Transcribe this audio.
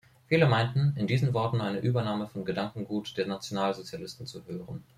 Viele meinten, in diesen Worten eine Übernahme von Gedankengut der Nationalsozialisten zu hören.